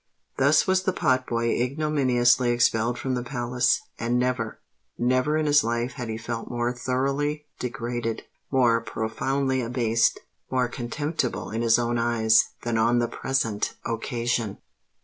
Thus was the pot boy ignominiously expelled from the palace; and never—never in his life had he felt more thoroughly degraded—more profoundly abased—more contemptible in his own eyes, than on the present occasion!